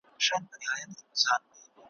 تا کاسه خپله وهلې ده په لته `